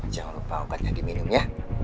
jangan lupa obatnya diminum ya